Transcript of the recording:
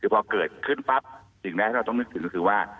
พอเกิดขึ้นปั๊บสิ่งแรกที่เราต้องนึกถึงก็คือว่า